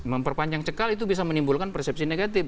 memperpanjang cekal itu bisa menimbulkan persepsi negatif